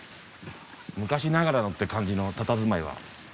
昔ながらのって感じのたたずまいは。